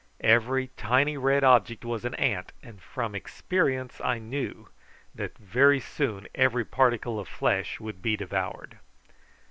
Each tiny red object was an ant, and from experience I knew that very soon every particle of flesh would be devoured.